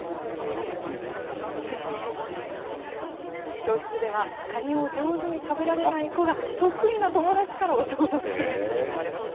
教室では、カニを上手に食べられない子が、得意な友達から教わっているシーンもありました。